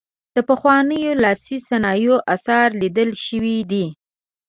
د پخوانیو لاسي صنایعو اثار لیدل شوي دي.